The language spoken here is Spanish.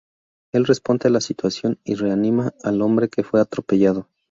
Él responde a la situación y reanima al hombre que fue atropellado.